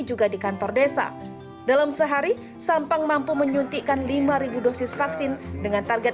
juga di kantor desa dalam sehari sampang mampu menyuntikkan lima ribu dosis vaksin dengan target